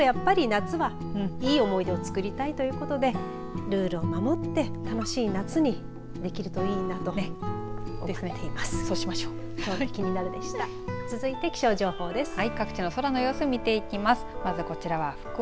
でもやっぱり夏はいい思い出をつくりたいということでルールを守って、楽しい夏にできるといいなと思いますね。